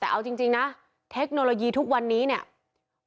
แต่เอาจริงนะเทคโนโลยีทุกวันนี้เนี่ย